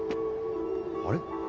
あれ？